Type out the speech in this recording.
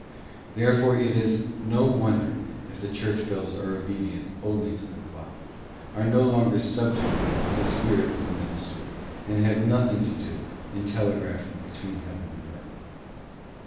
Therefore it is no wonder if the church bells are obedient only to the clock, are no longer subject to the spirit of the minister, and have nothing to do in telegraphing between heaven and earth.